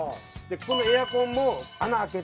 ここのエアコンも穴開けて